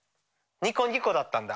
「ニコニコ」だったんだ。